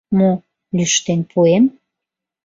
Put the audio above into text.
Мо... лӱштен пуэм.